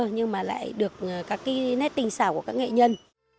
nhưng mà lại được các nét tình xảo của các nghệ nhân